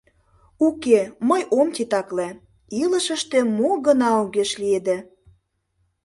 Уке, мый ом титакле, илышыште мо гына огеш лиеде.